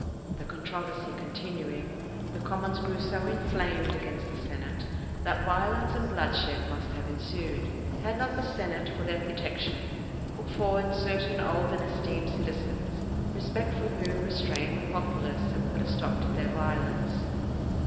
The controversy continuing, the commons grew so inflamed against the senate that violence and bloodshed must have ensued; had not the senate for their protection put forward certain old and esteemed citizens, respect for whom restrained the populace and put a stop to their violence.